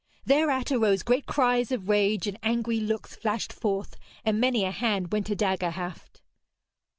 Thereat arose great cries of rage, and angry looks flashed forth, and many a hand went to dagger haft.